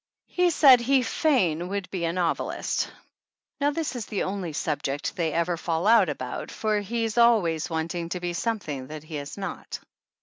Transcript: He said he fain would be a novelist. Now, this is the only sub ject they ever fall out about, for he's always wanting to be something that he is not.